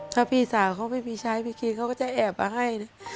ถ้าพี่สาวเขาไม่มีชายไปกินเขาก็จะแอบมาให้